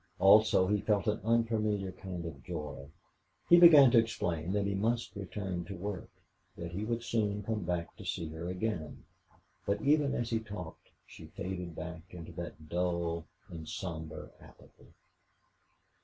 Also he felt an unfamiliar kind of joy. He began to explain that he must return to work, that he would soon come to see her again; but even as he talked she faded back into that dull and somber apathy.